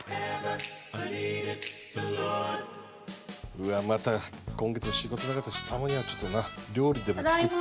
うわっまた今月も仕事なかったしたまにはちょっとな料理でも作って。